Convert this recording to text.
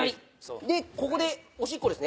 でここでおしっこですね。